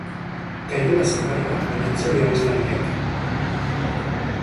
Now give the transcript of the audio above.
Kaiola zatarra, baina txori abeslariak.